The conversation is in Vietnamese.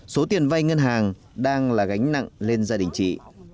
số tiền vay ngân hàng đang là gánh nặng lên gia đình chị